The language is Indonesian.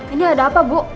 ini ada apa bu